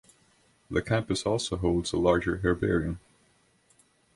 The campus also holds a larger herbarium.